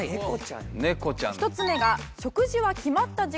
１つ目が。